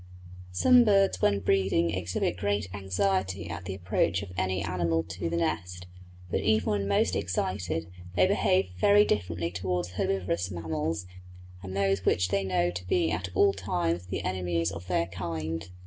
Some birds when breeding exhibit great anxiety at the approach of any animal to the nest; but even when most excited they behave very differently towards herbivorous mammals and those which they know to be at all times the enemies of their kind.